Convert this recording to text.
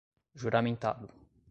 juramentado